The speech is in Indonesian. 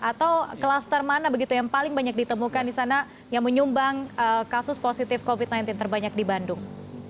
atau kluster mana begitu yang paling banyak ditemukan di sana yang menyumbang kasus positif covid sembilan belas terbanyak di bandung